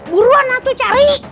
buruan lah tuh cari